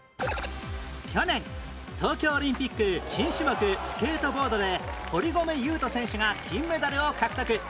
去年東京オリンピック新種目スケートボードで堀米雄斗選手が金メダルを獲得